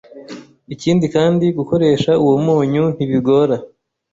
ikindi kandi gukoresha uwo munyu ntibigora